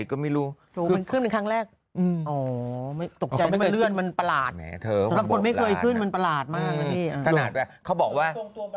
คือคือตรงตัวประลัน